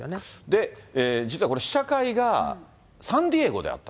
で、実はこれ、試写会がサンディエゴであった。